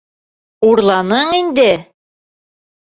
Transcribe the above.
Урланың инде?